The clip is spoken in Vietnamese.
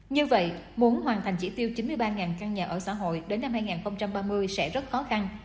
như vậy muốn hoàn thành chỉ tiêu chín mươi ba căn nhà ở xã hội đến năm hai nghìn ba mươi sẽ rất khó khăn